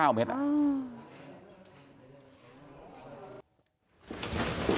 อยากพูดอะไรไหมคะ